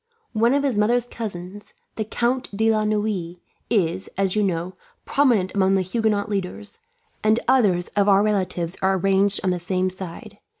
"One of his mother's cousins, the Count de La Noue, is, as you know, prominent among the Huguenot leaders; and others of our relatives are ranged on the same side.